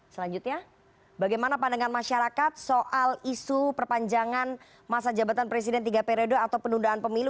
selanjutnya bagaimana pandangan masyarakat soal isu perpanjangan masa jabatan presiden tiga periode atau penundaan pemilu